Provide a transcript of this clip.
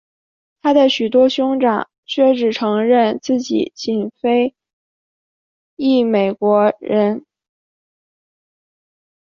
他的许多兄长却只承认自己仅是非裔美国人。